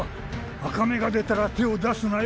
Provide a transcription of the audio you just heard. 赤目が出たら手を出すなよ。